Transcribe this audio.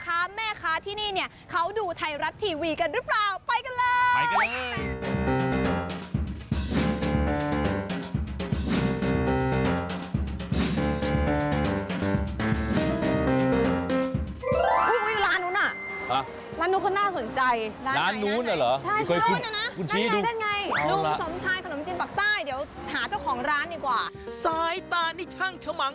ถ้าแม่คะที่นี่เขาดูไทยรักทีวีกันหรือเปล่า